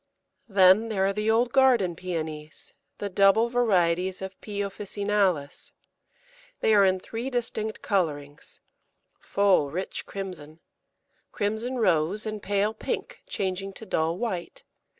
Then there are the old garden Pæonies, the double varieties of P. officinalis. They are in three distinct colourings full rich crimson, crimson rose, and pale pink changing to dull white.